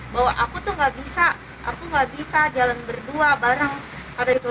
bahwa aku tuh gak bisa aku gak bisa jalan berdua bareng pada itu